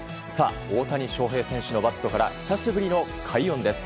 大谷翔平選手のバットから久しぶりの快音です。